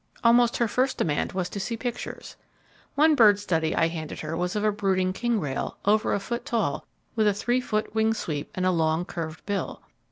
Almost her first demand was to see pictures. One bird study I handed her was of a brooding king rail, over a foot tall, with a three foot wing sweep, and a long curved bill.